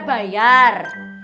belum ada bayar